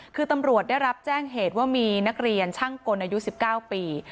คือตำรวจได้รับแจ้งเหตุว่ามีนักเรียนช่างกลอายุ๑๙ปี